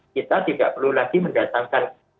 kita tidak perlu lagi mendatangkan